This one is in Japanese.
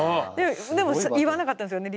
でも言わなかったんですよね